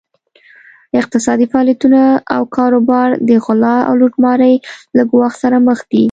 اقتصادي فعالیتونه او کاروبار د غلا او لوټمارۍ له ګواښ سره مخ دي.